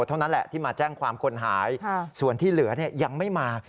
เท่านั้นแหละที่มาแจ้งความคนหายส่วนที่เหลือยังไม่มา